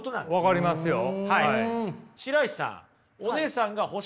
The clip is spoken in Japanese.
分かりますよ。